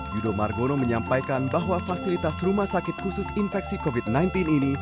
yudo margono menyampaikan bahwa fasilitas rumah sakit khusus infeksi covid sembilan belas ini